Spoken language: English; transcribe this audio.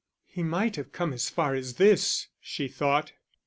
"He might have come as far this," she thought.